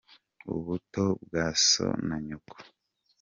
Ubuto bwa so na nyoko.